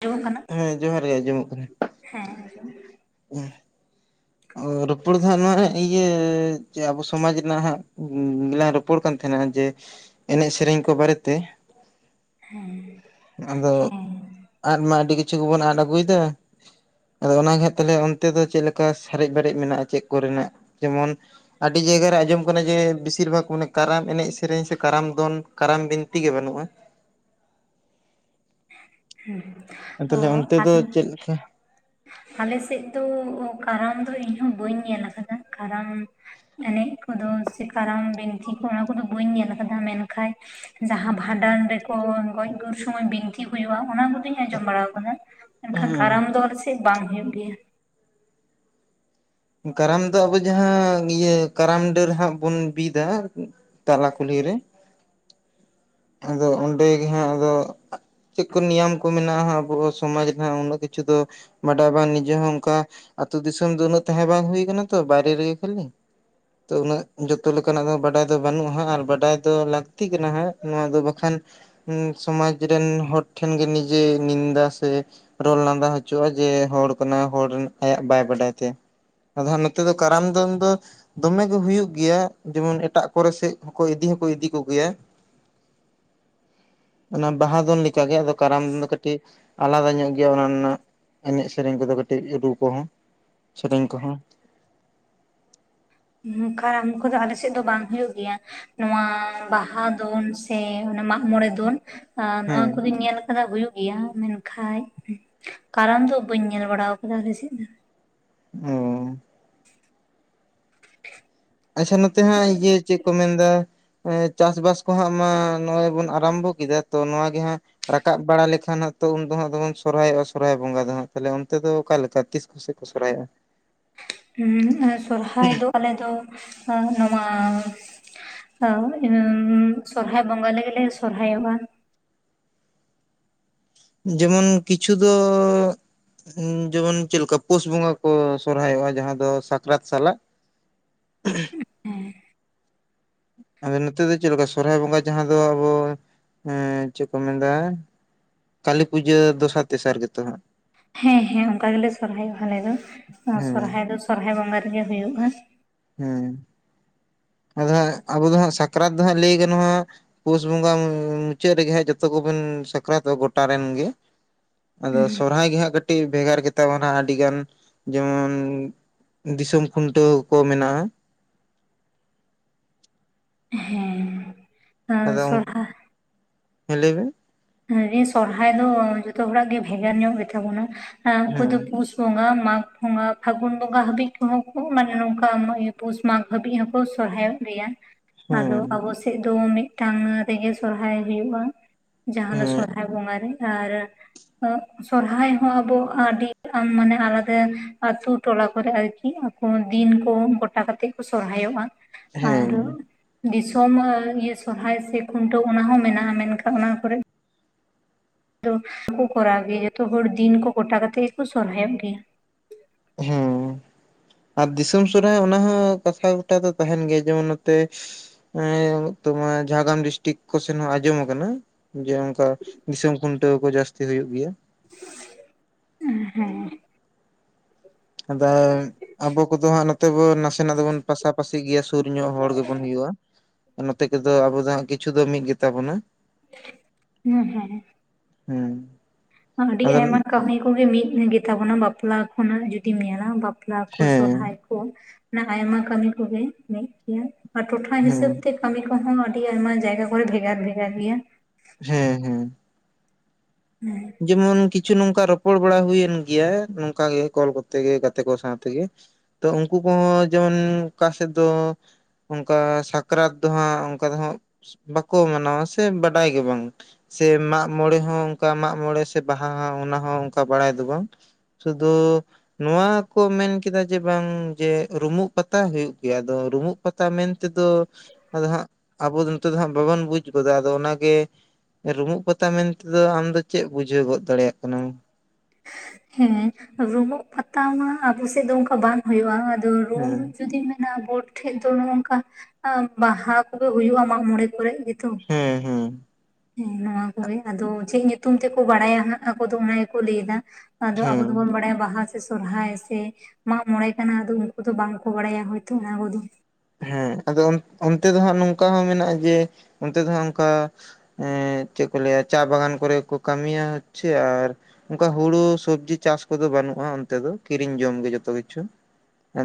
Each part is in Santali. ᱟᱸᱡᱚᱢᱚᱜ ᱠᱟᱱᱟ ᱦᱮᱸ ᱡᱚᱦᱟᱨ ᱜᱮ ᱟᱸᱡᱚᱢᱚᱜ ᱠᱟᱱᱟ᱾ ᱦᱮᱸ ᱟᱸᱡᱚᱢ ᱚ ᱨᱚᱯᱚᱲ ᱫᱚ ᱦᱟᱸᱜ ᱱᱚᱣᱟ ᱤᱭᱟᱹ ᱟᱵᱚ ᱥᱚᱢᱟᱡᱽ ᱨᱮᱱᱟᱜ ᱦᱟᱸᱜ ᱞᱟᱝ ᱨᱚᱯ ᱨᱚᱯᱚᱲ ᱠᱟᱱ ᱛᱟᱦᱮᱱᱟ᱾ ᱡᱮ ᱮᱱᱮᱡ ᱥᱮᱨᱮᱧ ᱠᱚ ᱵᱟᱨᱮᱛᱮ᱾ ᱦᱩᱸ ᱟᱫᱚ ᱟᱫ ᱢᱟ ᱟᱹᱰᱤ ᱠᱤᱪᱷᱩ ᱜᱮᱵᱚᱱ ᱟᱫ ᱟᱹᱜᱩᱭᱮᱫᱟ᱾ ᱟᱫᱚ ᱚᱱᱟᱜᱮ ᱛᱟᱦᱮ ᱚᱱᱛᱮ ᱫᱚ ᱪᱮᱫ ᱞᱮᱠᱟ, ᱥᱟᱨᱮᱡ ᱵᱟᱨᱮᱡ ᱢᱮᱱᱟᱜ-ᱟ ᱪᱮᱫ ᱠᱚᱨᱮᱱᱟᱜ ᱡᱮᱢᱚᱱ ᱟᱹᱰᱤ ᱡᱟᱭᱜᱟᱨ ᱨᱮ ᱟᱸᱡᱚᱢ ᱠᱟᱱᱟ ᱡᱮ, ᱵᱤᱥᱤᱨ ᱵᱷᱟᱜᱽ ᱢᱟᱱᱮ ᱠᱟᱨᱟᱢ ᱮᱱᱮᱡ ᱥᱮᱨᱮᱧ ᱥᱮ ᱠᱟᱨᱟᱢ ᱫᱚ ᱠᱟᱨᱟᱢ ᱵᱤᱱᱛᱤ ᱜᱮ ᱵᱟᱹᱱᱩᱜ-ᱟ᱾ ᱛᱟᱦᱚᱞᱮ ᱚᱱᱛᱮ ᱫᱚ ᱪᱮᱫ ᱞᱮᱠᱟ [unintelligible] ᱟᱞᱮ ᱥᱮᱫ ᱫᱳ ᱠᱟᱨᱟᱢ ᱫᱚ ᱤᱧᱦᱚ ᱵᱟᱹᱧ ᱧᱮᱞ ᱠᱟᱫᱟ ᱠᱟᱨᱟᱢ ᱮᱱᱮᱡ ᱠᱚᱫᱚ ᱥᱮ ᱠᱟᱨᱟᱢ ᱵᱤᱱᱛᱤ ᱠᱚ ᱚᱱᱟ ᱠᱚᱫᱚ ᱵᱟᱹᱧ ᱧᱮᱞ ᱠᱟᱫᱟ ᱢᱮᱱᱠᱦᱟᱡ ᱡᱟᱦᱟᱸ ᱵᱷᱟᱸᱰᱟᱱ ᱨᱮᱠᱚ ᱜᱚᱡ ᱜᱩᱨ ᱥᱚᱢᱚᱭ ᱵᱤᱱᱛᱤ ᱛᱤ ᱦᱩᱭᱩᱜᱼᱟ᱾ ᱚᱱᱟ ᱠᱚᱫᱚᱧ ᱟᱸᱡᱚᱢ ᱵᱟᱲᱟ ᱟᱠᱟᱫᱟ᱾ ᱢᱮᱱᱠᱷᱟᱱ ᱠᱟᱨᱟᱢ ᱦᱮᱸ ᱫᱚ ᱟᱞᱮ ᱪᱮᱫ ᱵᱟᱝ ᱦᱳᱭ ᱜᱮᱭᱟ᱾ ᱠᱟᱨᱟᱢ ᱫᱚ ᱟᱵᱚ ᱡᱟᱦᱟᱸ ᱤᱭᱟᱹ ᱠᱟᱨᱟᱢ ᱰᱟᱹᱨ ᱦᱟᱸᱜ ᱵᱚᱱ ᱵᱤᱫ ᱟ᱾ ᱛᱟᱞᱟ ᱠᱩᱞᱦᱤᱨᱮ ᱟᱫᱚ ᱚᱸᱰᱮ ᱜᱮ ᱦᱟᱸᱜ ᱟᱫᱚ ᱪᱮᱫ ᱠᱚ ᱱᱤᱭᱟᱢ ᱠᱚ ᱢᱮᱱᱟᱜ-ᱟ ᱟᱵᱚᱣᱟᱜ ᱥᱚᱢᱟᱡᱽ ᱨᱮ ᱦᱟᱸᱜ ᱩᱱᱟᱹᱜ ᱠᱤᱪᱷᱩ ᱫᱚ᱾ ᱵᱟᱰᱟᱭ ᱵᱟᱝ ᱱᱤᱡᱮ ᱦᱚᱸ ᱚᱝᱠᱟ ᱟᱹᱛᱳ ᱫᱤᱥᱚᱢ ᱫᱚ ᱩᱱᱟᱹᱜ ᱛᱟᱦᱮᱸ ᱵᱟᱝ ᱦᱩᱭ ᱠᱟᱱᱟ᱾ ᱛᱚ ᱵᱟᱭᱨᱮ ᱨᱮᱜᱮ ᱠᱷᱟᱹᱞᱤ ᱛᱚ ᱩᱱᱟᱹᱜ ᱡᱚᱛᱚ ᱞᱮᱠᱟᱱᱟᱜ ᱫᱚ ᱵᱟᱰᱟᱭ ᱫᱚ ᱵᱟᱹᱱᱩᱜᱼᱟ᱾ ᱟᱨ ᱵᱟᱰᱟᱭ ᱫᱚ ᱞᱟᱹᱠᱛᱤ ᱠᱟᱱᱟ ᱦᱟᱜ ᱱᱚᱣᱟ ᱫᱚ ᱵᱟᱠᱷᱟᱱ ᱥᱚᱢᱟᱡ ᱨᱮᱱ ᱦᱚᱲ ᱴᱷᱮᱱ ᱜᱮ ᱱᱤᱡᱮ ᱱᱤᱫᱟ ᱥᱮ ᱨᱚᱲ ᱞᱟᱸᱫᱟ ᱦᱚᱪᱩᱜ-ᱟ ᱡᱮ ᱦᱚᱲ ᱠᱟᱱᱟ, ᱦᱚᱲ ᱟᱭᱟᱜ ᱵᱟᱭ ᱵᱟᱰᱟᱭ ᱛᱟᱭᱟ ᱟᱫᱚ ᱦᱟᱜ ᱱᱚᱛᱮ ᱫᱚ ᱠᱟᱨᱟᱢ ᱫᱚᱱ ᱫᱚ ᱫᱚᱢᱮ ᱜᱮ ᱦᱩᱭᱩᱜ ᱜᱮᱭᱟ, ᱡᱮᱢᱚᱱ ᱮᱴᱟᱜ ᱠᱚᱨᱮ ᱥᱮᱫ ᱦᱚᱸ ᱤᱫᱤ ᱦᱚᱸᱠᱚ ᱤᱫᱤ ᱠᱚᱜᱮᱭᱟ᱾ ᱚᱱᱟ ᱵᱟᱦᱟ ᱫᱚᱱ ᱞᱤᱠᱟ ᱜᱤ ᱟᱫᱚ ᱠᱟᱨᱟᱢ ᱫᱚ ᱠᱟᱹᱴᱤᱡ ᱟᱞᱟᱫᱟ ᱧᱚᱜ ᱜᱮᱭᱟ ᱚᱱᱟ ᱨᱮᱱᱟᱜ ᱮᱱᱮᱡ ᱥᱮᱨᱮᱧ ᱠᱚᱫᱚ ᱠᱟᱹᱴᱤᱡ ᱨᱩ ᱠᱚᱦᱚᱸ ᱥᱮᱨᱮᱧ ᱠᱚᱦᱚᱸ ᱱᱚᱝ ᱠᱟᱨᱟᱢ ᱠᱚᱫᱚ ᱟᱞᱮᱥᱮᱫ ᱫᱚ ᱵᱟᱝ ᱦᱩᱭᱩᱜ ᱜᱮᱭᱟ᱾ ᱱᱚᱣᱟ ᱵᱟᱦᱟ ᱫᱚᱱ ᱥᱮ ᱚᱱᱮ ᱢᱟᱜ ᱢᱚᱬᱮ ᱫᱚᱱ ᱟᱸ ᱱᱚᱶᱟ ᱦᱮᱸ ᱠᱚᱫᱚᱧ ᱧᱮᱞ ᱠᱟᱫᱟ ᱦᱩᱭᱩᱜ ᱜᱮᱭᱟ ᱢᱮᱱᱠᱷᱟᱡ ᱠᱟᱨᱚᱢ ᱫᱚ ᱵᱟᱹᱧ ᱧᱮᱞ ᱵᱟᱲᱟᱣ ᱠᱟᱫᱟ ᱟᱞᱮᱥᱮᱫ ᱫᱚ᱾ ᱚ [inaudible] ᱟᱪᱪᱷᱟ ᱱᱚᱛᱮ ᱦᱟᱸᱜ ᱤᱭᱟᱹ ᱪᱮᱫ ᱠᱚ ᱢᱮᱱᱫᱟ ᱮᱸ ᱪᱟᱥᱵᱟᱥ ᱠᱚᱦᱟᱸᱜ ᱢᱟ ᱱᱚᱜᱼᱚᱭ ᱵᱚᱱ ᱟᱨᱟᱢᱵᱚ ᱠᱮᱫᱟ ᱛᱚ ᱱᱚᱣᱟᱜ ᱜᱮ ᱦᱟᱸᱜ ᱨᱟᱠᱟᱵ ᱵᱟᱲᱟ ᱞᱮᱠᱷᱟᱱ ᱦᱟᱸᱜ ᱛᱚ ᱩᱱ ᱫᱚ ᱦᱟᱸᱜ ᱫᱚᱢᱮᱢ ᱥᱚᱨᱦᱟᱭᱚᱜᱼᱟ ᱥᱚᱨᱦᱟᱭ ᱵᱚᱸᱜᱟ ᱫᱚ ᱦᱟᱸᱜ ᱛᱟᱦᱚᱞᱮ ᱚᱱᱛᱮ ᱫᱚ ᱚᱠᱟ ᱞᱮᱠᱟ ᱛᱤᱥ ᱥᱮᱜ ᱠᱚ ᱥᱚᱨᱦᱟᱭᱚᱜᱼᱟ ᱦᱩᱸ ᱩᱸ ᱟᱨ ᱥᱚᱨᱦᱟᱭ ᱫᱚ ᱟᱞᱮ ᱫᱚ ᱟᱸᱜ ᱱᱚᱣᱟ ᱟᱸ ᱮᱢ ᱥᱚᱨᱦᱟᱭ ᱵᱚᱸᱜᱟ ᱞᱮᱜᱮ ᱞᱮ ᱥᱚᱨᱦᱟᱭᱚᱜᱼᱟ᱾ ᱡᱮᱢᱚᱱ ᱠᱤᱪᱷᱩ ᱫᱚ ᱡᱮᱢᱚᱱ ᱪᱮᱫᱞᱮᱠᱟ ᱯᱳᱥ ᱵᱚᱸᱜᱟ ᱠᱚ ᱥᱚᱨᱦᱟᱭᱚᱜᱼᱟ ᱡᱟᱦᱟᱸ ᱫᱚ ᱥᱟᱠᱨᱟᱛ ᱥᱟᱞᱟᱜ᱾ [inaudible] ᱟᱫᱚ ᱱᱚᱛᱮ ᱫᱚ ᱪᱮᱫ ᱞᱮᱠᱟ ᱥᱚᱨᱦᱟᱭ ᱵᱚᱸᱜᱟ ᱡᱟᱦᱟᱸ ᱫᱚ ᱟᱵᱚ ᱮᱸ ᱪᱮᱫ ᱠᱚ ᱢᱮᱱᱫᱟ ᱠᱟᱹᱞᱤ ᱯᱩᱡᱟᱹ ᱫᱚᱥᱟᱨ ᱛᱮᱥᱟᱨ ᱜᱮ ᱛᱚ ᱦᱟᱸᱜ ᱦᱮᱸ ᱦᱮᱸ ᱚᱱᱠᱟ ᱜᱮᱞᱮ ᱥᱚᱨᱦᱟᱭᱚᱜᱼᱟ ᱟᱞᱮ ᱫᱚ ᱦᱮᱸ ᱥᱚᱨᱦᱟᱭ ᱫᱚ ᱥᱚᱨᱦᱟᱭ ᱵᱚᱸᱜᱟ ᱨᱮᱜᱮ ᱦᱩᱭᱩᱜᱼᱟ᱾ ᱦᱮᱸ, ᱟᱫᱚ ᱦᱟᱸᱜ ᱟᱵᱚ ᱫᱚ ᱦᱟᱸᱜ ᱥᱟᱠᱨᱟᱛ ᱫᱚ ᱦᱟᱸᱜ ᱞᱟᱹᱭ ᱜᱟᱱᱚᱜᱼᱟ ᱯᱳᱥ ᱵᱚᱸᱜᱟ ᱢᱩᱪᱟᱹᱫ ᱨᱮᱜᱮ ᱦᱟᱸᱜ ᱡᱚᱛᱚ ᱠᱚᱵᱮᱱ ᱥᱟᱠᱨᱟᱛᱚᱜ ᱜᱚᱴᱟ ᱨᱮᱱ ᱜᱮ᱾ ᱟᱫᱚ ᱥᱚᱨᱦᱟᱭ ᱜᱮ ᱦᱟᱸᱜ ᱠᱟᱹᱴ ᱴᱤᱡ ᱵᱷᱮᱜᱟᱨ ᱜᱮᱛᱟ ᱵᱚᱱᱟ ᱟᱹᱰᱤ ᱜᱟᱱ ᱡᱮᱢᱚᱱ ᱫᱤᱥᱚᱢ ᱠᱷᱩᱱᱴᱟᱹᱣ ᱠᱚ ᱢᱮᱱᱟᱜᱼᱟ ᱦᱮᱸ ᱟᱫᱚᱢ, ᱥᱚᱨᱦᱟᱭ ᱦᱮᱸ ᱞᱟᱹᱭ ᱢᱮ ᱞᱟᱹᱭ ᱫᱟᱹᱧ ᱥᱚᱨᱦᱟᱭ ᱫᱚ ᱡᱚᱛᱚ ᱦᱚᱲᱟᱜ ᱜᱮ ᱵᱷᱮᱜᱟᱨ ᱧᱚᱜ ᱜᱮᱛᱟ ᱵᱚᱱᱟ ᱟᱨ ᱩᱱᱠᱩ ᱦᱮᱸ ᱫᱚ ᱯᱩᱥ ᱵᱚᱸᱜᱟ ᱢᱟᱜᱽ ᱵᱚᱸᱜᱟ ᱯᱷᱟᱹᱜᱩᱱ ᱵᱚᱸᱜᱟ ᱦᱟᱹᱵᱤᱡ ᱠᱚᱦᱚᱸ ᱠᱩ ᱢᱟᱱᱮ ᱱᱚᱝᱠᱟ ᱯᱩᱥ ᱢᱟᱜᱽ ᱦᱟᱹᱵᱤᱡ ᱦᱚᱸᱠᱚ ᱥᱚᱨᱦᱟᱭᱚᱜ ᱜᱮᱭᱟ᱾ ᱟᱫᱚ ᱦᱮᱸ ᱟᱵᱚ ᱥᱮᱫ ᱫᱚ ᱢᱤᱫᱴᱟᱝ ᱨᱮᱜᱮ ᱥᱚᱨᱦᱟᱭ ᱦᱩᱭᱩᱜᱼᱟ᱾ ᱡᱟᱦᱟᱸ ᱫᱚ ᱦᱮᱸ ᱥᱚᱨᱦᱟᱭ ᱵᱚᱸᱜᱟ ᱨᱮ ᱟᱨ ᱟᱸᱜ ᱥᱚᱨᱦᱟᱭ ᱦᱚᱸ ᱟᱵᱚ ᱟᱹᱰᱤ ᱢᱟᱱᱮ ᱟᱞᱟᱫᱟ ᱟᱹᱛᱩ ᱴᱚᱞᱟ ᱠᱚᱨᱮ ᱟᱨᱠᱤ ᱟᱸ ᱠᱳᱱᱳ ᱫᱤᱱ ᱠᱚ ᱜᱚᱴᱟ ᱠᱟᱛᱮᱫ ᱠᱚ ᱥᱚᱨᱦᱟᱭᱚᱜᱼᱟ᱾ ᱦᱮᱸ ᱟᱨᱚ ᱫᱤᱥᱚᱢ ᱤᱭᱟᱹ ᱥᱚᱨᱦᱟᱭ ᱥᱮ ᱠᱷᱩᱱᱴᱟᱹᱣ ᱚᱱᱟ ᱦᱚᱸ ᱢᱮᱱᱟᱜᱼᱟ ᱢᱮᱱᱠᱷᱟ ᱚᱱᱟ ᱠᱚᱨᱮᱱ ᱫᱚ ᱠᱚ ᱠᱚᱨᱟᱣ ᱜᱮᱭᱟ ᱡᱚᱛᱚ ᱦᱚᱲ ᱫᱤᱱ ᱠᱚ ᱜᱚᱴᱟ ᱠᱟᱛᱮᱫ ᱜᱮᱠᱚ ᱥᱚᱨᱦᱟᱭᱚᱜ ᱜᱮᱭᱟ᱾ ᱦᱮᱸ ᱟᱨ ᱫᱤᱥᱚᱢ ᱥᱚᱨᱦᱟᱭ ᱚᱱᱟ ᱦᱚᱸ ᱠᱟᱛᱷᱟ ᱜᱚᱴᱟ ᱫᱚ ᱛᱟᱦᱮᱸᱱ ᱜᱮᱭᱟ ᱡᱮᱢᱚᱱ ᱱᱚᱛᱮ ᱮᱸᱭ ᱚᱱᱚᱠ ᱛᱳᱢᱟᱨ ᱡᱷᱟᱲᱜᱨᱟᱢ ᱰᱤᱥᱴᱤᱠ ᱠᱚᱥᱮᱱ ᱦᱚᱸ ᱟᱸᱡᱚᱢ ᱟᱠᱟᱱᱟ᱾ ᱡᱮ ᱚᱱᱠᱟ ᱫᱤᱥᱚᱢ ᱠᱷᱩᱱᱴᱟᱹᱣ ᱠᱚ ᱡᱟᱹᱥᱛᱤ ᱦᱩᱭᱩᱜ ᱜᱮᱭᱟ᱾ ᱦᱮᱸ ᱟᱫᱟᱭᱮᱢ ᱟᱵᱚ ᱠᱚᱫᱚ ᱦᱟᱸᱜ ᱱᱚᱛᱮ ᱵᱚᱱ ᱱᱟᱥᱮᱱᱟᱜ ᱫᱚᱵᱚᱱ ᱯᱟᱥᱟᱯᱟᱹᱥᱤ ᱜᱮᱭᱟ ᱥᱩᱨ ᱧᱚᱜ ᱦᱚᱲ ᱜᱮᱵᱚᱱ ᱦᱩᱭᱩᱜᱼᱟ᱾ ᱱᱚᱛᱮ ᱠᱚᱫᱚ ᱟᱵᱚ ᱫᱚ ᱦᱟᱸᱜ ᱠᱤᱪᱷᱩ ᱫᱚ ᱢᱤᱫ ᱜᱮᱛᱟ ᱵᱚᱱᱟ᱾ ᱦᱮᱸ ᱦᱮᱸ᱾ ᱦᱮᱸ᱾ ᱟᱹᱰᱤ ᱟᱫᱚ ᱟᱭᱢᱟ ᱠᱟᱹᱢᱤ ᱠᱚᱜᱤ ᱢᱤᱫ ᱜᱮᱛᱟᱵᱚᱱᱟ ᱵᱟᱯᱞᱟ ᱠᱷᱚᱱᱟᱜ ᱡᱩᱫᱤᱢ ᱧᱮᱞᱟ ᱵᱟᱯ ᱵᱟᱯᱞᱟ ᱠᱚ ᱦᱮᱸ ᱥᱚᱨᱦᱟᱭ ᱠᱚ ᱚᱱᱟ ᱟᱭᱢᱟ ᱠᱟᱹᱢᱤ ᱠᱚᱜᱮ ᱢᱤᱫ ᱜᱮᱭᱟ ᱟᱨ ᱴᱚᱴᱷᱟ ᱦᱮᱸ ᱦᱤᱥᱟᱹᱵ ᱛᱮ ᱠᱟᱹᱢᱤ ᱠᱚᱦᱚᱸ ᱟᱹᱰᱤ ᱟᱭᱢᱟ ᱡᱟᱭᱜᱟ ᱠᱚᱨᱮ ᱵᱷᱮᱜᱟᱨ ᱵᱷᱮᱜᱟᱨ ᱜᱮᱭᱟ᱾ ᱦᱮᱸ ᱦᱮᱸ᱾ [inaudible] ᱡᱮᱢᱚᱱ ᱠᱤᱪᱷᱩ ᱱᱚᱝᱠᱟ ᱨᱚᱯᱚᱲ ᱵᱟᱲᱟ ᱦᱩᱭᱮᱱ ᱜᱮᱭᱟ ᱱᱚᱝᱠᱟ ᱜᱮ ᱠᱚᱞ ᱠᱚᱛᱮ ᱜᱮ ᱜᱟᱛᱮ ᱠᱚ ᱥᱟᱶ ᱛᱮᱜᱮ ᱛᱚ ᱩᱱᱠᱩ ᱠᱚᱦᱚᱸ ᱡᱮᱢᱚᱱ ᱚᱠᱟ ᱥᱮᱫ ᱫᱚ ᱚᱱᱠᱟ ᱥᱟᱠᱨᱟᱛ ᱫᱚᱦᱟᱸᱜ ᱚᱱᱠᱟ ᱫᱚ ᱦᱟᱸᱜ ᱵᱟᱠᱚ ᱢᱟᱱᱟᱣᱟ ᱥᱮ ᱵᱟᱰᱟᱭ ᱜᱮ ᱵᱟᱝ ᱥᱮ ᱢᱟᱜ ᱢᱚᱬᱮ ᱦᱚᱸ ᱚᱱᱠᱟ ᱢᱟᱜᱽ ᱢᱚᱬᱮ ᱥᱮ ᱵᱟᱦᱟ ᱦᱚᱸ ᱚᱱᱟ ᱦᱚᱸ ᱚᱱᱠᱟ ᱵᱟᱲᱟᱭ ᱫᱚ ᱵᱟᱝ ᱥᱩᱫᱷᱩ ᱱᱚᱣᱟ ᱠᱚ ᱢᱮᱱᱠᱟᱫᱟ ᱡᱮ ᱵᱟᱝ ᱡᱮ ᱨᱩᱢᱩᱜ ᱯᱟᱛᱟ ᱦᱩᱭᱩᱜ ᱜᱮᱭᱟ ᱟᱫᱚ ᱨᱩᱢᱩᱜ ᱯᱟᱛᱟ ᱢᱮᱱ ᱛᱮᱫᱚ ᱟᱫᱚ ᱦᱟᱸᱜ ᱟᱵᱚ ᱱᱚᱛᱮ ᱫᱚ ᱦᱟᱸᱜ ᱵᱟᱵᱚᱱ ᱵᱩᱡᱽ ᱜᱚᱫᱟ ᱟᱫᱚ ᱚᱱᱟᱜᱮ ᱨᱩᱢᱩᱜ ᱯᱟᱛᱟ ᱢᱮᱱᱛᱮᱫᱚ ᱟᱢ ᱫᱚ ᱪᱮᱜ ᱵᱩᱡᱷᱟᱹᱣ ᱜᱚᱫ ᱫᱟᱲᱮᱭᱟᱜ ᱠᱟᱱᱟᱢ? ᱦᱮᱸ ᱨᱩᱢᱩᱜ ᱯᱟᱛᱟ ᱢᱟ ᱟᱵᱚ ᱥᱮᱜ ᱫᱚ ᱚᱝᱠᱟ ᱵᱟᱝ ᱦᱩᱭᱩᱜᱼᱟ ᱟᱫᱚ ᱨᱩᱢ ᱦᱮᱸ ᱡᱩᱫᱤ ᱢᱮᱱᱟᱜᱟ ᱵᱳᱴ ᱴᱷᱮᱡ ᱫᱚ ᱱᱚᱜᱚᱝᱠᱟ ᱵᱟᱦᱟ ᱠᱚᱫᱚ ᱦᱩᱭᱩᱜᱼᱟ ᱢᱟᱜ ᱢᱚᱬᱮ ᱠᱚᱨᱮᱜ ᱜᱮᱛᱚ᱾ ᱦᱮᱸ ᱦᱮᱸ᱾ ᱦᱮᱸ ᱱᱚᱶᱟ ᱠᱚᱜᱮ ᱟᱫᱚ ᱪᱮᱜ ᱧᱩᱛᱩᱢ ᱛᱮᱠᱚ ᱵᱟᱲᱟᱭᱟ ᱦᱟᱜ ᱟᱠᱚᱫᱩᱢ ᱚᱱᱟ ᱜᱮᱠᱚ ᱞᱟᱹᱭᱫᱟ᱾ ᱟᱫᱚ ᱟᱵᱚ ᱦᱮᱸ ᱫᱚᱵᱚᱱ ᱵᱟᱲᱟᱭᱟ ᱵᱟᱦᱟ ᱥᱚᱨᱦᱟᱭ ᱥᱮ ᱢᱟᱜ ᱢᱚᱬᱮ ᱠᱟᱱᱟ ᱟᱫᱚ ᱩᱱᱠᱩ ᱫᱚ ᱵᱟᱝ ᱠᱚ ᱵᱟᱲᱟᱭᱟ ᱦᱚᱭᱛᱚ ᱚᱱᱟ ᱠᱚᱫᱚ᱾ ᱦᱮᱸ ᱟᱫᱚ ᱚᱱ ᱚᱱᱛᱮ ᱫᱚ ᱦᱟᱸᱜ ᱱᱚᱝᱠᱟ ᱦᱚᱸ ᱢᱮᱱᱟᱜᱼᱟ ᱡᱮ ᱚᱱᱛᱮ ᱫᱚᱦᱟᱸᱜ ᱚᱝᱠᱟ ᱦᱮᱸ ᱪᱮᱜ ᱠᱚ ᱞᱟᱹᱭᱟ ᱪᱟ ᱵᱟᱜᱟᱱ ᱠᱚᱨᱮ ᱠᱚ ᱠᱟᱹᱢᱤᱭᱟ ᱦᱚᱪᱷᱮ ᱟᱨ ᱚᱱᱠᱟ ᱦᱩᱲᱩ ᱥᱚᱵᱡᱤ ᱪᱟᱥ ᱠᱚᱫᱚ ᱵᱟᱹᱱᱩᱜᱼᱟ ᱚᱱᱛᱮ ᱫᱚ ᱠᱤᱨᱤᱧ ᱡᱚᱢᱜᱮ ᱡᱚᱛᱚ ᱠᱤᱪᱷᱩ᱾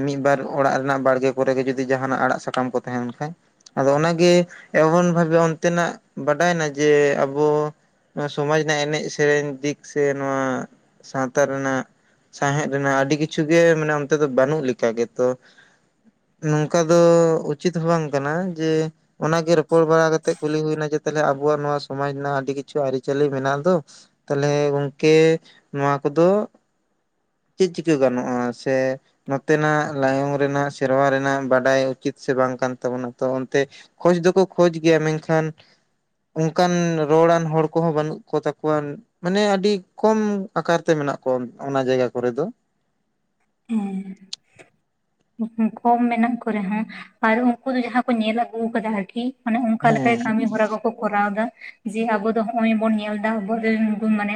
ᱢᱤᱫᱵᱟᱨ ᱚᱲᱟᱜ ᱨᱮᱱᱟᱜ ᱵᱟᱲᱜᱮ ᱠᱚᱨᱮᱜᱮ ᱡᱚᱫᱤ ᱡᱟᱦᱟᱱᱟᱜ ᱟᱲᱟᱜ ᱥᱟᱠᱟᱢ ᱠᱚ ᱛᱮᱦᱮᱱ ᱠᱷᱟᱡ᱾ ᱟᱫᱚ ᱚᱱᱟᱜᱮ ᱮᱢᱚᱱ ᱵᱷᱟᱵᱮ ᱚᱱᱛᱮᱱᱟᱜ ᱵᱟᱰᱟᱭᱮᱱᱟ ᱡᱮ ᱟᱵᱚ ᱱᱚᱣᱟ ᱥᱚᱢᱟᱡᱽ ᱨᱮᱱᱟᱜ ᱮᱱᱮᱡ ᱥᱮᱨᱮᱧ ᱫᱤᱠ ᱥᱮ ᱱᱚᱣᱟ ᱥᱟᱶᱛᱟ ᱨᱮᱱᱟᱜ ᱥᱟᱦᱮᱫ ᱨᱮᱱᱟᱜ ᱟᱹᱰᱤ ᱠᱤᱪᱷᱩ ᱜᱮ ᱢᱟᱱᱮ ᱚᱱᱛᱮ ᱫᱚ ᱵᱟᱹᱱᱩᱜ ᱞᱮᱠᱟ ᱜᱮᱛᱚ᱾ ᱱᱚᱝᱠᱟ ᱫᱚ ᱩᱪᱤᱛ ᱦᱚᱸ ᱵᱟᱝ ᱠᱟᱱᱟ ᱡᱮ ᱚᱱᱟᱜᱮ ᱨᱚᱯᱚᱲ ᱵᱟᱲᱟ ᱠᱟᱛᱮᱜ ᱠᱩᱞᱤ ᱦᱩᱭᱱᱟ ᱡᱮ ᱛᱟᱦᱞᱮ ᱟᱵᱚᱣᱟᱜ ᱱᱚᱣᱟ ᱥᱚᱢᱟᱡ ᱨᱮᱱᱟᱜ ᱟᱹᱰᱤ ᱠᱤᱪᱷᱩ ᱟᱹᱨᱤᱪᱟᱹᱞᱤ ᱢᱮᱱᱟᱜ ᱫᱚ, ᱛᱟᱦᱚᱞᱮ ᱜᱚᱝᱠᱮ ᱱᱚᱣᱟ ᱠᱚᱫᱚ ᱪᱮᱫ ᱪᱤᱠᱟᱹ ᱜᱟᱱᱚᱜᱼᱟ ᱥᱮ ᱱᱚᱛᱮᱱᱟᱜ ᱞᱟᱭᱚᱝ ᱨᱮᱱᱟᱜ ᱥᱮᱨᱣᱟ ᱨᱮ ᱱᱟᱜ ᱵᱟᱰᱟᱭ ᱩᱪᱤᱛ ᱥᱮ ᱵᱟᱝ ᱠᱟᱱ ᱛᱟᱵᱚᱱᱟ ᱛᱚ ᱚᱱᱛᱮ ᱠᱷᱚᱡᱽ ᱫᱚᱠᱚ ᱠᱷᱚᱡᱽ ᱜᱮᱭᱟ ᱢᱮᱱᱠᱷᱟᱱ ᱚᱱᱠᱟᱱ ᱨᱚᱲᱟᱱ ᱦᱚᱲ ᱠᱚᱦᱚᱸ ᱵᱟᱹᱱᱩᱜ ᱠᱚ ᱛᱟᱠᱚᱣᱟᱱ᱾ ᱢᱟᱱᱮ ᱟᱹᱰᱤ ᱠᱚᱢ ᱟᱠᱟᱨ ᱛᱮ ᱢᱮᱱᱟᱜ ᱠᱚᱣᱟ ᱚᱱᱟ ᱡᱟᱭᱜᱟ ᱠᱚᱨᱮ ᱫᱚ᱾ ᱦᱮᱸ ᱠᱚᱢ ᱢᱮᱱᱟᱜ ᱠᱚ ᱨᱮᱦᱚᱸ ᱟᱨ ᱩᱱᱠᱩ ᱫᱚ ᱡᱟᱦᱟᱸ ᱠᱚ ᱧᱮᱞ ᱟᱹᱜᱩᱣ ᱠᱟᱫᱟ ᱟᱨᱠᱤ ᱢᱟᱱᱮ ᱚᱱᱠᱟ ᱞᱮᱠᱟᱭ ᱦᱮᱸ ᱠᱟᱹᱢᱤ ᱦᱚᱨᱟ ᱠᱚ ᱠᱚ ᱠᱚᱨᱟᱣ ᱮᱫᱟ ᱡᱮ ᱟᱵᱚ ᱫᱚ ᱦᱚᱜ ᱚᱭ ᱵᱚᱱ ᱧᱮᱞ ᱫᱟ ᱟᱵᱚ [unintelligible] ᱢᱟᱱᱮ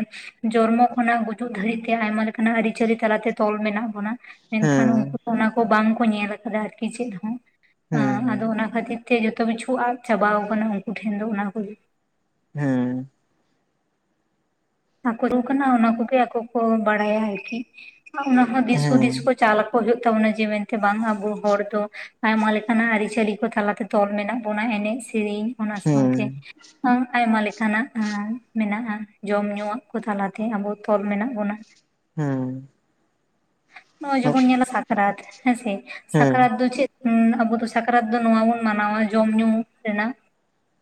ᱡᱚᱱᱢᱚ ᱠᱷᱚᱱᱟᱜ ᱜᱩᱡᱩᱜ ᱫᱷᱟᱹᱨᱤᱡᱛᱮ ᱟᱭᱢᱟ ᱞᱮᱠᱟᱱᱟᱜ ᱟᱹᱨᱤᱪᱟᱹᱞᱤ ᱛᱟᱞᱟᱛᱮ ᱛᱚᱞ ᱢᱮᱱᱟᱜ ᱵᱚᱱᱟ ᱢᱮᱱᱠᱷᱟᱱ ᱩᱱᱠᱩ ᱦᱮᱸ ᱠᱚ ᱚᱱᱟ ᱠᱚ ᱵᱟᱝ ᱠᱚ ᱧᱮᱞ ᱠᱟᱫᱟ ᱟᱨᱠᱤ ᱪᱮᱫ ᱦᱚᱸ ᱟᱫᱚ ᱦᱮᱸ ᱚᱱᱟ ᱠᱷᱟᱹᱛᱤᱨ ᱛᱮ ᱡᱚᱛᱚ ᱠᱤᱪᱷᱩ ᱟᱫ ᱪᱟᱵᱟᱣ ᱠᱟᱱᱟ ᱩᱱᱠᱩ ᱴᱷᱮᱱ ᱫᱚ ᱚᱱᱟ ᱠᱚᱜᱤ ᱦᱮᱸ ᱟᱠᱚ ᱨᱩ ᱠᱟᱱᱟ ᱚᱱᱟ ᱠᱚᱜᱮ ᱟᱠᱚ ᱠᱚ ᱵᱟᱲᱟᱭᱟ ᱟᱨᱠᱤ᱾ ᱟ ᱚᱱᱟᱦᱚ ᱦᱮᱸ ᱦᱮᱸ ᱫᱤᱥᱦᱩᱫᱤᱥ ᱠᱚ ᱪᱟᱞ ᱟᱠᱚ ᱦᱩᱭᱩᱜ ᱛᱟᱵᱚᱱᱟ ᱡᱮ ᱢᱮᱱᱛᱮ ᱵᱟᱝ ᱟᱵᱚ ᱦᱚᱲ ᱫᱚ ᱟᱭᱢᱟ ᱞᱮᱠᱟᱱᱟᱜ ᱟᱹᱨᱤᱪᱟᱹᱞᱤ ᱠᱚ ᱛᱟᱞᱟᱛᱮ ᱛᱚᱞ ᱢᱮᱱᱟᱜ ᱵᱚᱱᱟ ᱮᱱᱮᱡ, ᱥᱮᱨᱮᱧ ᱚᱱᱟ ᱥᱟᱶᱛᱮ ᱦᱮᱸ ᱟ ᱟᱭᱢᱟ ᱞᱮᱠᱟᱱᱟᱜ ᱢᱮᱱᱟᱜᱼᱟ ᱡᱚᱢ ᱧᱩ᱾ ᱱᱚᱣᱟᱜ ᱠᱚ ᱛᱟᱞᱟᱛᱮ ᱟᱵᱚ ᱛᱚᱞ ᱢᱮᱱᱟᱜ ᱵᱚᱱᱟ᱾ ᱦᱮᱸ᱾ ᱱᱚᱜ-ᱚᱭ ᱡᱮᱵᱚᱱ ᱧᱮᱞᱟ ᱥᱟᱠᱨᱟᱛ ᱦᱮᱸᱥᱮ᱾ ᱦᱮᱸ ᱥᱟᱠᱨᱟᱛ ᱫᱚ ᱪᱮᱫ ᱦᱩᱸ ᱱᱟᱜ ᱟᱵᱩ ᱫᱚ ᱥᱟᱠᱨᱟᱛ ᱫᱚ ᱱᱚᱣᱟ ᱵᱩᱱ ᱢᱟᱱᱟᱣᱟ ᱡᱚᱢ ᱧᱩ ᱨᱮᱱᱟᱜ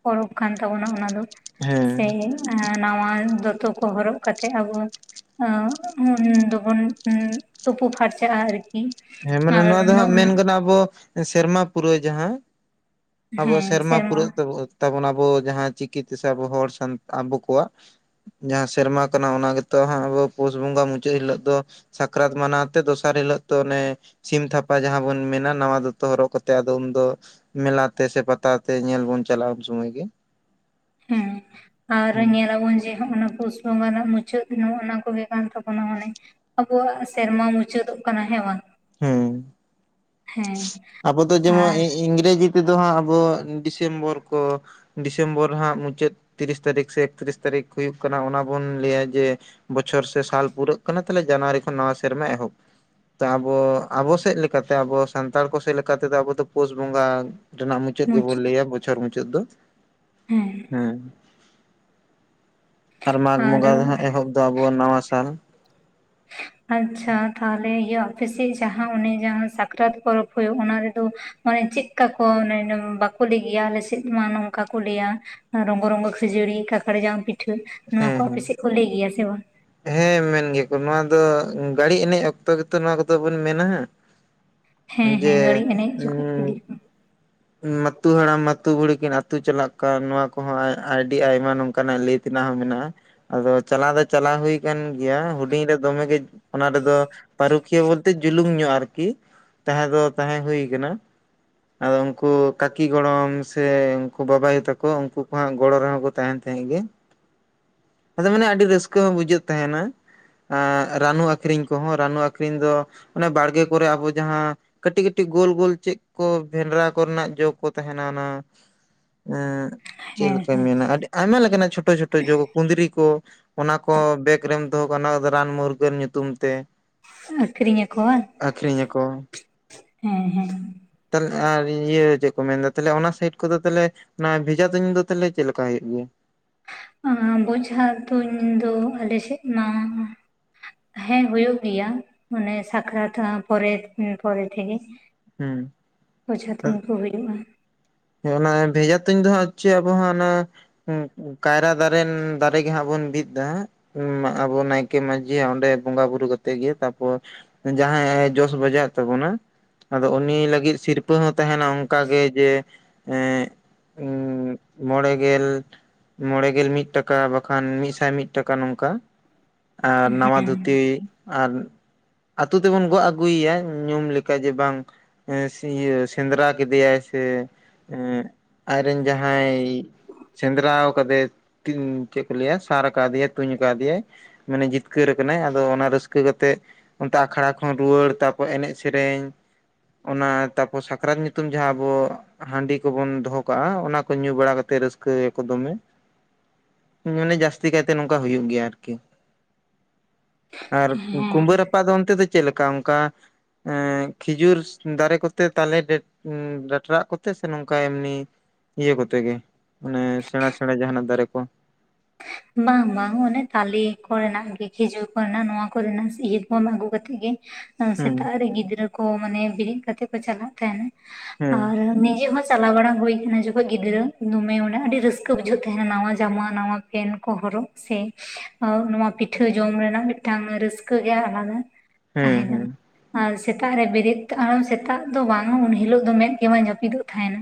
ᱯᱚᱨᱚᱵ ᱠᱟᱱ ᱛᱟᱵᱚᱱᱟ ᱚᱱᱟ ᱫᱚ ᱦᱮᱸ ᱥᱮ ᱮ ᱱᱟᱣᱟ ᱫᱚᱛᱚ ᱠᱚ ᱦᱚᱨᱚᱜ ᱠᱟᱛᱮᱜ ᱟᱵᱚ ᱩᱱ ᱫᱚᱵᱚᱱ ᱛᱩᱯᱩ ᱯᱷᱟᱨᱪᱟᱜᱼᱟ ᱟᱨᱠᱤ᱾ ᱦᱮᱸ ᱢᱟᱱᱮ ᱟᱨ ᱱᱚᱣᱟ ᱫᱚ ᱦᱟᱸᱜ ᱢᱮᱱ ᱜᱟᱱᱚᱜᱼᱟ ᱟᱵᱚ ᱥᱮᱨᱢᱟ ᱯᱩᱨᱟᱹᱣ ᱡᱟᱦᱟᱸ ᱟᱵᱚ ᱥᱮᱨᱢᱟ ᱯᱩᱨᱟᱹᱜ ᱛᱟᱵᱚ ᱛᱟᱵᱚᱱ ᱟᱵᱚ ᱡᱟᱦᱟᱸ ᱪᱤᱠᱤᱛᱮᱥᱮ ᱟᱵᱚ ᱦᱚᱲ ᱥᱟᱱ ᱟᱵᱚ ᱠᱚᱣᱟᱜ᱾ ᱡᱟᱦᱟᱸ ᱥᱮᱨᱢᱟ ᱠᱟᱱᱟ ᱚᱱᱟ ᱜᱮᱛᱚ ᱦᱟᱸᱜ ᱟᱵᱚ ᱯᱩᱥ ᱵᱚᱸᱜᱟ ᱢᱩᱪᱟᱹᱫ ᱦᱤᱞᱳᱜ ᱫᱚ ᱥᱟᱠᱨᱟᱛ ᱢᱟᱱᱟᱣᱛᱮ ᱫᱚᱥᱟᱨ ᱦᱤᱞᱚᱜ ᱛᱚ ᱚᱱᱮ ᱥᱤᱢ ᱛᱷᱟᱯᱟ ᱡᱟᱦᱟᱸ ᱵᱚᱱ ᱢᱮᱱᱟ, ᱱᱟᱣᱟ ᱫᱚᱛᱚ ᱦᱚᱨᱚᱜ ᱠᱟᱛᱮᱜ ᱟᱫᱚ ᱩᱱᱫᱚ ᱢᱮᱞᱟᱛᱮ ᱥᱮ ᱯᱟᱛᱟ ᱛᱮ ᱧᱮᱞ ᱵᱚᱱ ᱪᱟᱞᱟᱜᱼᱟ ᱩᱱ ᱥᱩᱢᱟᱹᱭ ᱜᱮ᱾ ᱦᱮᱸ ᱟᱨ ᱧᱮᱞᱟᱵᱚᱱ ᱡᱮ ᱦᱚᱸᱜ-ᱚᱱᱟ ᱯᱩᱥ ᱵᱚᱸᱜᱟ ᱨᱮᱱᱟᱜ ᱢᱩᱪᱟᱹᱫ ᱱᱚᱜ ᱚᱱᱟ ᱠᱚᱜᱮ ᱠᱟᱱ ᱛᱟᱵᱚᱱᱟ ᱢᱟᱱᱮ᱾ ᱟᱵᱚᱣᱟᱜ ᱥᱮᱨᱢᱟ ᱢᱩᱪᱟᱹᱫᱚᱜ ᱠᱟᱱᱟ ᱦᱮᱸ ᱵᱟᱝ᱾ ᱦᱮᱸ ᱦᱮᱸ ᱟᱵᱚ ᱫᱚ ᱡᱮᱢᱚᱱ ᱟᱨ ᱤ-ᱤᱝᱨᱮᱡᱤ ᱛᱮᱫᱚ ᱦᱟᱸᱜ ᱟᱵᱚ ᱰᱤᱥᱮᱢᱵᱚᱨ ᱠᱚ᱾ ᱰᱤᱥᱮᱢᱵᱚᱨ ᱦᱟᱸᱜ ᱢᱩᱪᱟᱹᱫ ᱛᱤᱨᱤᱥ ᱛᱟᱹᱨᱤᱠᱷ ᱥᱮ ᱮᱠᱛᱨᱤᱥ ᱛᱟᱹᱨᱤᱠᱷ ᱦᱩᱭᱩᱜ ᱠᱟᱱᱟ ᱚᱱᱟ ᱵᱚᱱ ᱞᱟᱹᱭᱟ ᱡᱮ ᱵᱚᱪᱷᱚᱨ ᱥᱮ ᱥᱟᱞ ᱯᱩᱨᱟᱹᱜ ᱠᱟᱱᱟ ᱛᱟᱦᱚᱞᱮ ᱡᱟᱱᱩᱣᱟᱨᱤ ᱠᱷᱚᱱ ᱱᱟᱣᱟ ᱥᱮᱨᱢᱟ ᱮᱦᱚᱵ᱾ ᱵᱚ ᱟᱵᱚ ᱥᱮᱫ ᱞᱮᱠᱟᱛᱮ ᱟᱵᱚ ᱥᱟᱱᱛᱟᱲ ᱠᱚ ᱥᱮᱫ ᱞᱮᱠᱟᱛᱮᱫᱚ ᱟᱵᱚ ᱫᱚ ᱯᱩᱥ ᱵᱚᱸᱜᱟ ᱨᱮᱱᱟᱜ ᱢᱩ ᱪᱟᱹᱫ ᱜᱮᱵᱚᱱ ᱢᱩᱪᱟᱹᱫ ᱞᱟᱹᱭᱟ ᱵᱚᱪᱷᱚᱨ ᱢᱩᱪᱟᱹᱫ ᱫᱚ᱾ ᱦᱮᱸ᱾ ᱦᱮᱸ᱾ ᱢᱟᱜᱽ ᱟᱨ ᱵᱚᱸᱜᱟ ᱫᱚ ᱦᱟᱸᱜ ᱮᱦᱚᱵ ᱫᱚ ᱟᱵᱚᱣᱟᱜ ᱱᱟᱣᱟ ᱥᱟᱞ᱾ ᱟᱪᱪᱷᱟ ᱛᱟᱦᱞᱮ ᱤᱭᱟᱹ ᱟᱯᱮ ᱥᱮᱫ ᱡᱟᱦᱟᱸ ᱚᱱᱮ ᱡᱟᱦᱟᱸ ᱥᱟᱠᱨᱟᱛ ᱯᱚᱨᱚᱵᱽ ᱦᱩᱭᱩᱜ ᱚᱱᱟ ᱨᱮᱫᱚ ᱢᱟᱱᱮ ᱪᱮᱫᱠᱟ ᱠᱚ ᱢᱟᱱᱮ ᱚᱱᱮ ᱵᱟᱠᱚ ᱞᱟᱹᱭ ᱜᱮᱭᱟ ᱟᱞᱮᱥᱮᱫ ᱢᱟ ᱱᱚᱝᱠᱟ ᱠᱚ ᱞᱟᱹᱭᱟ ᱨᱚᱝᱜᱚ ᱨᱚᱝᱜᱚ ᱠᱷᱟᱹᱡᱟᱹᱲᱤ ᱠᱟᱠᱟᱲ ᱡᱟᱱ ᱯᱤᱴᱷᱟᱹ ᱱᱚᱣᱟ ᱦᱮᱸ ᱠᱚ ᱟᱯᱮ ᱦᱮᱸ ᱥᱮᱫ ᱠᱚ ᱞᱟᱹᱭ ᱜᱮᱭᱟ ᱥᱮ ᱵᱟᱝ? ᱦᱮᱸ ᱢᱮᱱ ᱜᱮᱭᱟ ᱠᱚ᱾ ᱱᱚᱣᱟ ᱫᱚ ᱜᱟᱹᱲᱤ ᱮᱱᱮᱡ ᱚᱠᱛᱚ ᱜᱮᱛᱚ ᱱᱚᱣᱟ ᱠᱚᱫᱚ ᱵᱚᱱ ᱢᱮᱱᱟ ᱦᱟᱜ᱾ ᱦᱮᱸ ᱦᱮᱸ ᱡᱮ ᱜᱟᱹᱲᱤ ᱮᱱᱮᱡ ᱡᱚᱠᱷᱚᱡ ᱤᱫᱤ ᱩᱸ ᱠᱚ ᱢᱟᱛᱩ ᱦᱟᱲᱟᱢ ᱢᱟᱛᱩ ᱵᱩᱲᱦᱤ ᱠᱤᱱ ᱟᱹᱛᱩ ᱪᱟᱞᱟᱜ ᱠᱟᱱ, ᱱᱚᱣᱟ ᱠᱚᱦᱚᱸ ᱟᱭ-ᱟᱹᱰᱤ ᱟᱭᱢᱟ ᱱᱚᱝᱠᱟᱱᱟᱜ ᱞᱟᱹᱭᱮᱛ ᱛᱤᱱᱟᱹᱜ ᱦᱚᱸ ᱢᱮᱱᱟᱜᱼᱟ᱾ ᱟᱫᱚ ᱪᱟᱞᱟᱣ ᱫᱚ ᱪᱟᱞᱟᱣ ᱦᱩᱭ ᱟᱠᱟᱱ ᱜᱮᱭᱟ ᱦᱩᱰᱤᱧ ᱨᱮ ᱫᱚᱢᱮ ᱜᱮ ᱚᱱᱟ ᱨᱮᱫᱚ ᱯᱟᱹᱨᱩᱠᱷᱤᱭᱟᱹ ᱵᱚᱞᱛᱮ ᱡᱩᱞᱩᱝ ᱧᱚᱜᱼᱟ ᱟᱨᱠᱤ᱾ ᱛᱟᱦᱮᱸ ᱫᱚ ᱛᱟᱦᱮᱸ ᱦᱩᱭ ᱠᱟᱱᱟ᱾ ᱟᱫᱚᱢ ᱠᱩ ᱠᱟᱹᱠᱤ ᱜᱚᱲᱚᱢ ᱥᱮ ᱩᱱᱠᱩ ᱵᱟᱵᱟᱭᱩ ᱛᱟᱠᱚ ᱩᱱᱠᱩ ᱠᱚ ᱦᱟᱜ ᱜᱚᱲᱚ ᱨᱮᱦᱚᱸ ᱠᱚ ᱛᱟᱦᱮᱱ ᱛᱟᱦᱮᱸᱜ ᱜᱮ᱾ ᱟᱫᱚ ᱢᱟᱱᱮ ᱟᱹᱰᱤ ᱨᱟᱹᱥᱠᱟᱹ ᱦᱚᱸ ᱵᱩᱡᱷᱟᱹᱜ ᱛᱟᱦᱮᱱᱟ᱾ ᱟᱸ ᱨᱟᱱᱩ ᱟᱹᱠᱷᱨᱤᱧ ᱠᱚᱦᱚᱸ᱾ ᱨᱟᱱᱩ ᱟᱹᱠᱷᱨᱤᱧ ᱫᱚ ᱚᱱᱮ ᱵᱟᱲᱜᱮ ᱠᱚᱨᱮ ᱟᱵᱚ ᱡᱟᱦᱟᱸ ᱠᱟᱹᱴᱤᱡ ᱠᱟᱹᱴᱤᱡ ᱜᱳᱞ ᱜᱳᱞ ᱪᱮᱫ ᱠᱚ ᱵᱷᱮᱱᱰᱨᱟ ᱠᱚᱨᱮᱱᱟᱜ ᱡᱚ ᱠᱚ ᱛᱟᱦᱮᱱᱟ ᱚᱱᱟ ᱮᱸ ᱦᱮᱸ ᱪᱮᱫᱞᱟᱧ ᱦᱮᱸ ᱢᱮᱱᱟ ᱟᱹᱰᱤ ᱟᱭᱢᱟ ᱞᱮᱠᱟᱱᱟᱜ ᱪᱷᱳᱴᱳ ᱪᱷᱳᱴᱳ ᱡᱚ᱾ ᱠᱩᱸᱫᱽᱨᱤ ᱠᱚ, ᱚᱱᱟ ᱠᱚ ᱵᱮᱜᱽ ᱨᱮᱢ ᱫᱚᱦᱚ ᱠᱟ-ᱟ᱾ ᱚᱱᱟ ᱠᱚᱫᱚ ᱨᱟᱱ ᱢᱩᱨᱜᱟᱹᱱ ᱧᱩᱛᱩᱢ ᱛᱮ᱾ ᱟᱹᱠᱷᱨᱤᱧ ᱟᱠᱚ ᱵᱟᱝ ᱟᱠᱷᱨᱤᱧ ᱟᱠᱚ᱾ ᱦᱮᱸ ᱦᱮᱸ ᱛᱟᱞᱦᱮ ᱟᱨ ᱤᱭᱟᱹ ᱪᱮᱫ ᱠᱚ ᱢᱮᱱᱫᱟ ᱛᱟᱦᱮ ᱚᱱᱟ ᱥᱟᱭᱤᱰ ᱠᱚᱫᱚ ᱛᱟᱦᱚᱞᱮ ᱚᱱᱟ ᱵᱷᱮᱡᱟ ᱛᱩᱧ ᱫᱚ ᱛᱟᱦᱚᱞᱮ ᱪᱮᱫ ᱞᱮᱠᱟ ᱦᱩᱭᱩᱜ ᱜᱮᱭᱟ? ᱟᱸ ᱵᱚᱡᱷᱟ ᱛᱩᱧ ᱫᱚ ᱟᱞ ᱥᱮᱫ ᱢᱟ ᱦᱮᱸ ᱦᱩᱭᱩᱜ ᱜᱮᱭᱟ, ᱢᱟᱱᱮ ᱥᱟᱠᱨᱟᱛ ᱯᱚᱨᱮ ᱩᱸ ᱯᱚᱨᱮ ᱛᱮᱜᱮ ᱦᱩᱸ [inaudible] ᱵᱚᱡᱷᱟ ᱛᱩᱧ ᱠᱚ ᱦᱩᱭᱩᱜ-ᱟ ᱾ ᱚᱱᱟ ᱵᱷᱮᱡᱟ ᱛᱩᱧ ᱫᱚ ᱦᱟᱸᱜ ᱪᱮ ᱟᱵᱚ ᱦᱟᱸᱜ ᱚᱱᱟ ᱠᱟᱭᱨᱟ ᱫᱟᱨᱮ ᱫᱟᱨᱮᱜᱮ ᱦᱟᱸᱜ ᱵᱚᱱ ᱵᱤᱫ ᱮᱫᱟ ᱾ ᱩᱸ ᱟᱵᱚ ᱱᱟᱭᱠᱮ ᱢᱟᱺᱡᱷᱟᱜ ᱚᱸᱰᱮ ᱵᱚᱸᱜᱟ ᱵᱩᱨᱩ ᱠᱟᱛᱮᱜ ᱜᱮ, ᱛᱟᱯᱚᱨ ᱡᱟᱦᱟᱸ ᱟᱭ ᱡᱚᱥ ᱵᱟᱡᱟᱣᱮᱜ ᱛᱟᱵᱚᱱᱟ ᱟᱫᱚ ᱩᱱᱤ ᱞᱟᱹᱜᱤᱫ ᱥᱤᱨᱯᱟᱹ ᱦᱚᱸ ᱛᱟᱦᱮᱱᱟ ᱚᱱᱠᱟ ᱜᱮ ᱡᱮ ᱮᱸ ᱩᱸ ᱢᱚᱬᱮ ᱜᱮᱞ ᱢᱚᱬᱮ ᱜᱮᱞ ᱢᱤᱫ ᱴᱟᱠᱟ, ᱵᱟᱠᱷᱟᱱ ᱢᱤᱫᱥᱟᱭ ᱢᱤᱫ ᱴᱟᱠᱟ ᱱᱚᱝᱠᱟ ᱾ ᱟᱨ ᱱᱟᱣᱟ ᱦᱮᱸ ᱫᱷᱩᱛᱤ ᱟᱨ ᱟᱛᱩ ᱛᱮᱵᱚᱱ ᱜᱚᱜ ᱟᱹᱜᱩᱭᱮᱭᱟ ᱧᱩᱢ ᱞᱮᱠᱟ ᱡᱮ ᱵᱟᱝ ᱦᱮᱸᱥᱤᱭᱟᱹ ᱥᱮᱸᱫᱽᱨᱟ ᱠᱮᱫᱮᱭᱟᱭ ᱥᱮ ᱮᱸ ᱟᱡᱨᱮᱱ ᱡᱟᱦᱟᱸᱭ ᱥᱮᱸᱫᱽᱨᱟᱣ ᱠᱟᱫᱮ ᱛᱤᱝ ᱪᱮᱫ ᱠᱚ ᱞᱟᱹᱭᱟ ᱥᱟᱨ ᱟᱠᱟᱫᱮᱭᱟᱭ ᱛᱩᱧ ᱟᱠᱟᱫᱮᱭᱟᱭ ᱾ ᱢᱟᱱᱮ ᱡᱤᱛᱠᱟᱹᱨ ᱟᱠᱟᱱᱟᱭ ᱟᱫᱚ ᱚᱱᱟ ᱨᱟᱹᱥᱠᱟᱹ ᱠᱟᱛᱮᱫ ᱚᱱᱛᱮ ᱟᱠᱷᱲᱟ ᱠᱷᱚᱱ ᱨᱩᱣᱟᱹᱲ ᱛᱟᱯᱚᱨ ᱮᱱᱮᱡ ᱥᱮᱨᱮᱧ ᱚᱱᱟ ᱛᱟᱯᱚᱨ ᱥᱟᱠᱨᱟᱛ ᱧᱩᱛᱩᱢ ᱡᱟᱦᱟᱸ ᱟᱵᱚ ᱦᱟᱺᱰᱤ ᱠᱚᱵᱚᱱ ᱫᱚᱦᱚ ᱠᱟᱜ-ᱟ ᱚᱱᱟ ᱠᱚ ᱧᱩ ᱵᱟᱲᱟ ᱠᱟᱛᱮ ᱨᱟᱹᱥᱠᱟᱹᱭ ᱟᱠᱚ ᱫᱚᱢᱮ ᱾ ᱢᱟᱱᱮ ᱡᱥᱛᱤ ᱠᱟᱭᱛᱮ ᱱᱚᱝᱠᱟ ᱦᱩᱭᱩᱜ ᱜᱮᱭᱟ ᱟᱨᱠᱤ ᱾ [inaudible] ᱟᱨ ᱦᱮᱸ ᱠᱩᱸᱵᱟᱹ ᱨᱟᱯᱟᱜ ᱫᱚ ᱚᱱᱛᱮ ᱫᱚ ᱪᱮᱫ ᱞᱮᱠᱟ ᱚᱱᱠᱟ ᱮ ᱠᱷᱤᱡᱩᱨ ᱫᱟᱨᱮ ᱠᱚᱛᱮ ᱛᱟᱞᱮ ᱰᱮ ᱰᱟᱰᱨᱟᱜ ᱠᱚ ᱥᱮ ᱱᱚᱝᱠᱟ ᱮᱢᱱᱤ ᱤᱭᱟᱹ ᱠᱚᱛᱮ ᱜᱮ, ᱢᱟᱱᱮ ᱥᱮᱬᱟ ᱥᱮᱬᱟ ᱡᱟᱦᱟᱱᱟᱜ ᱫᱟᱨᱮ ᱠᱚ? ᱵᱟᱝ ᱵᱟᱝ ᱚᱱᱮ ᱛᱟᱞᱮ ᱠᱚᱨᱮᱱᱟᱜ ᱜᱮ ᱠᱷᱤᱡᱩᱨ ᱠᱚᱨᱮᱱᱟᱜ ᱱᱚᱣᱟ ᱠᱚᱨᱮᱱᱟᱜ ᱤᱭᱟᱹ ᱠᱚ ᱟᱹᱜᱩ ᱠᱟᱛᱮᱫ ᱜᱮ ᱾ ᱦᱮᱸ ᱥᱮᱛᱟᱜ ᱨᱮ ᱜᱤᱫᱽᱨᱟᱹ ᱠᱚ ᱢᱟᱱᱮ ᱵᱮᱨᱮᱫ ᱠᱟᱛᱮᱜ ᱠᱚ ᱪᱟᱞᱟᱜ ᱛᱟᱦᱮᱸᱱ ᱦᱮᱸ ᱟᱨ ᱱᱤᱡᱮ ᱦᱚᱸ ᱪᱟᱞᱟᱣ ᱵᱟᱲᱟ ᱦᱩᱭᱠᱟᱱᱟ ᱡᱚᱠᱷᱚᱡ ᱜᱤᱫᱽᱨᱟᱹ ᱫᱚᱢᱮ ᱚᱰᱮ ᱟᱹᱰᱤ ᱨᱟᱹᱥᱠᱟᱹ ᱵᱩᱡᱷᱟᱹᱜ ᱛᱟᱦᱮᱱ, ᱱᱟᱣᱟ ᱡᱟᱢᱟ ᱱᱟᱣᱟ ᱯᱮᱱ ᱠᱚ ᱦᱚᱨᱚᱜ ᱥᱮ ᱱᱚᱣᱟ ᱯᱤᱴᱷᱟᱹ ᱡᱚᱢ ᱨᱮᱱᱟᱜ ᱢᱤᱫᱴᱟᱝ ᱨᱟᱹᱥᱠᱟᱹ ᱜᱮ ᱟᱞᱟᱫᱟ ᱦᱮᱸ ᱛᱟᱸᱦᱮ ᱠᱟᱱᱟ ᱦᱮᱸ ᱾ ᱟᱨ ᱥᱮᱛᱟᱜ ᱨᱮ ᱵᱮᱨᱮᱫ ᱟᱢ ᱥᱮᱛᱟᱜ ᱫᱚ ᱵᱟᱝ ᱩᱱ ᱦᱤᱞᱚᱜ ᱫᱚ ᱢᱮᱫ ᱜᱮ ᱵᱟᱝ ᱡᱟᱹᱯᱤᱫᱚᱜ ᱛᱟᱦᱮᱫ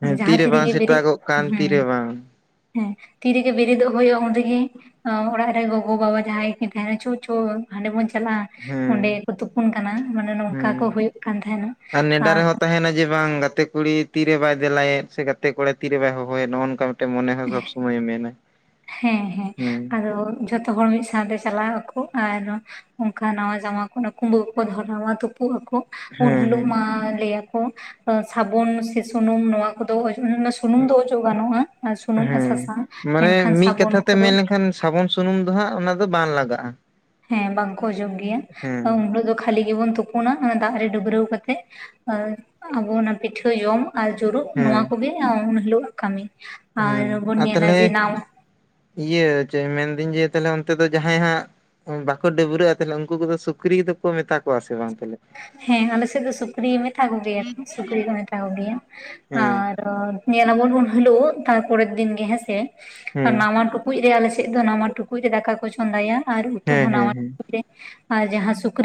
ᱦᱮᱸ ᱡᱟᱦᱟᱸ ᱛᱤᱨᱮ ᱵᱟᱝ ᱛᱤᱨᱮᱜᱮ ᱵᱮᱨᱮᱫ ᱥᱮᱛᱟᱜᱚᱜ ᱠᱟᱱ ᱦᱩᱸ ᱛᱤᱨᱮ ᱵᱟᱝ [inaudible] ᱦᱮᱸ ᱛᱤᱨᱮᱜᱮ ᱵᱮᱜ ᱵᱤᱨᱮᱫᱚᱜ ᱦᱩᱭᱩᱜ-ᱟ ᱩᱱ ᱨᱮᱜᱮ ᱚᱲᱟᱜ ᱨᱮᱫ ᱜᱚᱜᱚ ᱵᱟᱵᱟ ᱡᱟᱦᱟᱸᱭ ᱜᱮᱠᱤᱱ ᱛᱟᱦᱮᱱᱟ ᱪᱚ ᱪᱚ ᱦᱟᱸᱰᱮ ᱵᱚᱱ ᱪᱟᱞᱟᱜ-ᱟ ᱾ ᱚᱸᱰᱮ ᱦᱮᱸ ᱜᱮᱠᱚ ᱛᱩᱯᱩᱱ ᱠᱟᱱᱟ, ᱢᱟᱱᱮ ᱱᱚᱝᱠᱟ ᱠᱚ ᱦᱮᱸ ᱦᱩᱭᱩᱜ ᱠᱟᱱ ᱛᱟᱦᱮᱸᱱᱟ ᱾ ᱱᱮᱰᱟ ᱟᱨ ᱨᱮᱦᱚᱸ ᱛᱟᱦᱮᱱᱟ ᱡᱮ ᱵᱟᱝ ᱜᱟᱛᱮ ᱠᱩᱲᱤ ᱛᱤᱨᱮ ᱵᱟᱭ ᱫᱮᱞᱟᱭ ᱥᱮ ᱜᱟᱛᱮ ᱠᱚᱲᱟ ᱛᱤᱨᱮ ᱵᱟᱭ ᱦᱚᱦᱚᱭᱟ ᱱᱚᱜᱚ ᱱᱚᱝᱠᱟ ᱢᱤᱫᱴᱮᱱ ᱢᱚᱱᱮ ᱦᱚᱸ ᱥᱚᱵᱽ ᱥᱚᱢᱚᱭᱮ ᱢᱮᱱᱟ ᱾ ᱦᱮᱸ ᱦᱮᱸ ᱟᱫᱚ ᱡᱷᱚᱛᱚ ᱦᱚᱲ ᱢᱤᱫ ᱥᱟᱶᱛᱮ ᱪᱟᱞᱟᱜ ᱟᱠᱚ ᱟᱨ ᱚᱱᱠᱟ ᱱᱟᱣᱟ ᱡᱟᱢᱟ ᱠᱚ ᱠᱩᱢᱵᱟᱹ ᱠᱚᱠᱚ ᱫᱷᱚᱨᱟᱣᱟ ᱛᱩᱯᱩᱜ ᱟᱠᱚ ᱾ ᱩᱱ ᱦᱮᱸ ᱦᱤᱞᱳᱜ ᱦᱮᱸ ᱢᱟ ᱞᱟᱹᱭ ᱟᱠᱚ ᱥᱟᱵᱚᱱ ᱥᱮ ᱥᱩᱱᱩᱢ ᱱᱚᱣᱟ ᱠᱚᱫᱚ [inaudible] ᱥᱩᱱᱩᱢ ᱫᱚ ᱚᱡᱚᱜ ᱜᱟᱱᱚᱜ-ᱟ, ᱟᱨ ᱥᱩᱱᱩᱢ ᱟᱨ ᱦᱮᱸ ᱥᱟᱥᱟᱝ ᱢᱟᱱᱮ ᱢᱤᱫ ᱥᱟᱵᱚᱱ ᱠᱟᱛᱷᱟ ᱛᱮᱢ ᱠᱚᱫᱚ ᱢᱮᱱ ᱞᱠᱷᱟᱱ ᱥᱟᱵᱚᱱ ᱥᱩᱱᱩᱢ ᱫᱚ ᱦᱟᱸᱜ ᱚᱱᱟ ᱫᱚ ᱵᱟᱝ ᱞᱟᱜᱟᱜ-ᱟ ᱾ ᱦᱮᱸ ᱵᱟᱝᱠᱚ ᱚᱡᱚᱜ ᱜᱮᱭᱟ ᱩᱱᱦᱤᱞᱳᱜ ᱫᱚ ᱠᱷᱟᱹᱞᱤ ᱜᱮᱵᱚᱱ ᱛᱩᱯᱩᱱᱟ ᱚᱱᱟ ᱫᱟᱜ ᱨᱮ ᱰᱟᱹᱵᱽᱨᱟᱹᱣ ᱠᱟᱛᱮᱜ ᱟᱵᱚ ᱚᱱᱟ ᱯᱤᱴᱷᱟᱹ ᱡᱚᱢ ᱟᱨ ᱡᱩᱨᱩᱜ ᱦᱮᱸ ᱱᱚᱣᱟ ᱠᱚᱜᱮ ᱩᱱᱦᱤᱞᱳᱜ ᱟᱜ ᱠᱟᱹᱢᱤ ᱾ ᱟᱨ ᱦᱮᱸ ᱵᱩᱱ ᱟᱨ ᱧᱮᱞᱟ ᱛᱟᱦᱚᱞᱮ ᱡᱮ ᱱᱟᱣ ᱤᱭᱟᱹ ᱪᱮᱫ ᱢᱮᱱᱫᱟᱹᱧ ᱡᱮ ᱛᱟᱦᱞᱮ ᱚᱱᱛᱮ ᱫᱚ ᱡᱟᱦᱟᱸᱭ ᱦᱟᱸᱜ ᱵᱟᱠᱚ ᱰᱟᱹᱵᱨᱟᱹᱜ-ᱟ, ᱛᱟᱦᱞᱮ ᱩᱱᱠᱩ ᱠᱚᱫᱚ ᱥᱩᱠᱨᱤ ᱫᱚᱠᱚ ᱢᱮᱛᱟ ᱠᱚᱣᱟ ᱥᱮ ᱵᱟᱝ ᱛᱟᱦᱞᱮ? ᱦᱮᱸ ᱟᱞᱮ ᱥᱮᱜ ᱫᱚ ᱥᱩᱠᱨᱤ ᱢᱮᱛᱷᱟ ᱠᱚ ᱜᱮᱭᱟ ᱠᱚ ᱥᱩᱠᱨᱤ ᱠᱚ ᱢᱮᱛᱟ ᱠᱚ ᱜᱮᱭᱟ᱾ ᱦᱮᱸ ᱟᱨ ᱧᱮᱞᱟᱵᱚᱞᱚᱱ [unintelligible] ᱦᱟᱹᱞᱩᱣᱟᱹᱜ ᱛᱟᱨᱯᱚᱨᱮᱨ ᱫᱤᱱ ᱜᱮ ᱦᱮᱸ ᱥᱮ ᱟᱨ ᱦᱮᱸ ᱱᱟᱣᱟ ᱴᱩ ᱠᱩᱡ ᱨᱮ ᱟᱞᱮ ᱥᱮᱜ ᱫᱚ ᱱᱟᱣᱟ ᱴᱩᱠᱩᱡ ᱨᱮ ᱫᱟᱠᱟ ᱠᱚ ᱪᱚᱸᱫᱟᱭᱟ ᱟᱨ ᱩᱛᱩ ᱦᱮᱸ ᱦᱚᱸ ᱦᱮᱸ ᱱᱟᱣᱟ ᱦᱮᱸ ᱴᱩ ᱨᱮ᱾ ᱟ ᱡᱟᱦᱟᱸ ᱥᱩᱠᱨᱤ